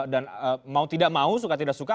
dan mau tidak mau suka tidak suka